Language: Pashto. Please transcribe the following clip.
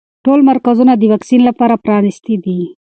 ټول مرکزونه د واکسین لپاره پرانیستي دي.